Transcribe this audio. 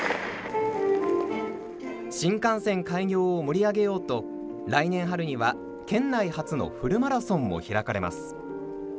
新幹線開業を盛り上げようと来年春には、県内初のフルマラソンも開かれます。